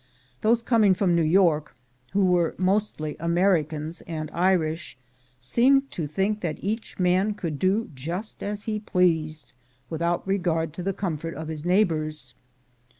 Those coming from New York — who were mostly Americans and Irish — seemed to think that each man could do just as he pleased, without regard to the comfort of his neighbors.